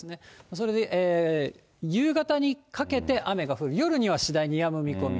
それで、夕方にかけて雨が降る、夜には次第にやむ見込み。